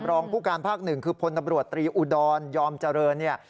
รองผู้การภาค๑คือพลตรีอุดรยอมเจริญ